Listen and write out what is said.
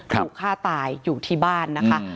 ถูกฆ่าตายอยู่ที่บ้านนะคะ